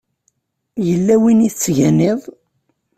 Yella win i tettganiḍ?